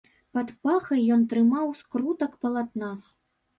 Пад пахай ён трымаў скрутак палатна.